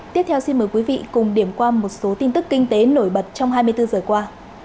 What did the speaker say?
tiếp theo xin mời quý vị cùng điểm qua một số tin tức kinh tế nổi bật trong hai mươi bốn giờ qua